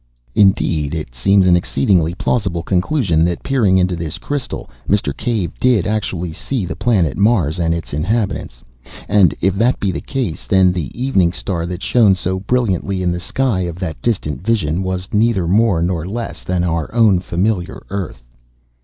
Indeed, it seems an exceedingly plausible conclusion that peering into this crystal Mr. Cave did actually see the planet Mars and its inhabitants. And, if that be the case, then the evening star that shone so brilliantly in the sky of that distant vision, was neither more nor less than our own familiar earth.